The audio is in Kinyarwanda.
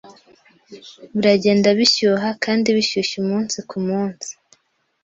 Biragenda bishyuha kandi bishyushye umunsi ku munsi.